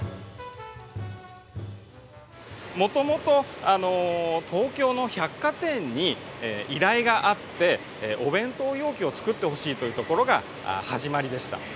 もともと東京の百貨店に依頼があってお弁当容器を作ってほしいというところが始まりでした。